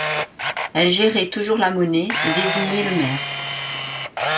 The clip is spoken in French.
Elle gérait toujours la monnaie et désignait le maire.